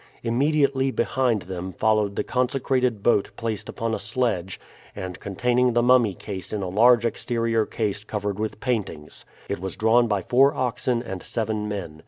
Immediately behind them followed the consecrated boat placed upon a sledge, and containing the mummy case in a large exterior case covered with paintings. It was drawn by four oxen and seven men.